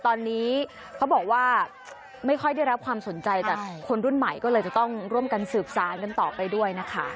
ตอนนี้เขาบอกว่าไม่ค่อยได้รับความสนใจจากคนรุ่นใหม่ก็เลยจะต้องร่วมกันสืบสารกันต่อไปด้วยนะคะ